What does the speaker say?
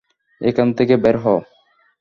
এখান থেকে বের হও।